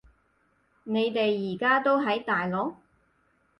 你哋而家都喺大陸？